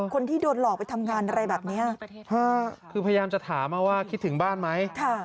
คนที่โดนหลอกไปทำงานอะไรแบบนี้คือพยายามจะถามว่าคิดถึงบ้านไหม